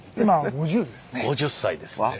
５０歳ですって。